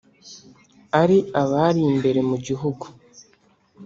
ari abari imbere mu gihugu